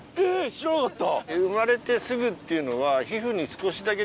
知らなかった！